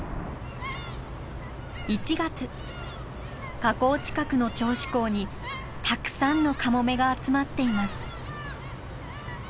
河口近くの銚子港にたくさんのカモメが集まっています。